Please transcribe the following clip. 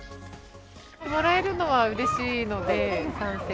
もらえるのはうれしいので賛成。